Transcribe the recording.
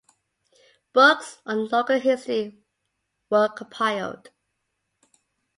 Books on local history were compiled.